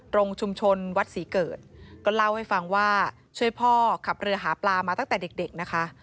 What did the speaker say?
ตรงชุมชนวัดศรีเกิดก็เล่าให้ฟังว่าช่วยพ่อขับเรือหาปลามาตั้งแต่เด็กนะคะ